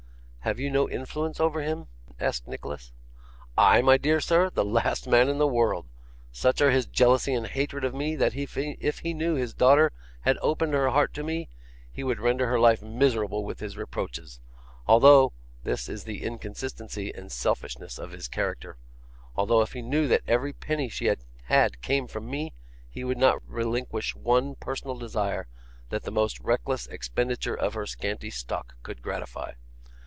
'Have you no influence over him?' asked Nicholas. 'I, my dear sir! The last man in the world. Such are his jealousy and hatred of me, that if he knew his daughter had opened her heart to me, he would render her life miserable with his reproaches; although this is the inconsistency and selfishness of his character although if he knew that every penny she had came from me, he would not relinquish one personal desire that the most reckless expenditure of her scanty stock could gratify.